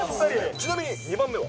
ちなみに、２番目は。